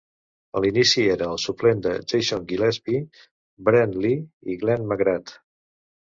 A l'inici era el suplent de Jason Gillespie, Brett Lee i Glenn McGrath.